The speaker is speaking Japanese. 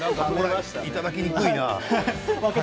いただきにくいな。